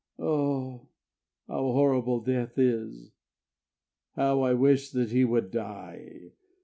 ... Oh, how horrible Death is! How I wish that he would die!